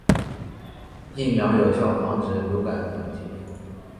疫苗有效防止流感等疾病。